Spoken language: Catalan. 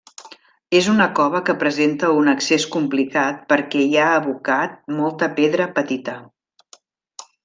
És una cova que presenta un accés complicat perquè hi ha abocat molta pedra petita.